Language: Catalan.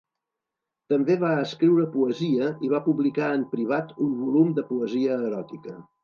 També va escriure poesia i va publicar en privat un volum de poesia eròtica.